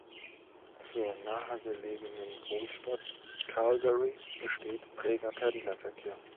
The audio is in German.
Zur nahegelegenen Großstadt Calgary besteht reger Pendlerverkehr.